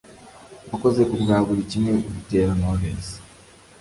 Wakoze kubwa buri kimwe Butera Knowless